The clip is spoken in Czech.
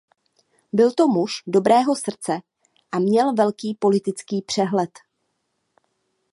Byl to muž dobrého srdce a měl velký politický přehled.